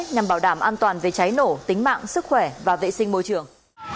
nhằm bảo đảm an toàn về cháy nổ tính mạng sức khỏe và vệ sinh môi trường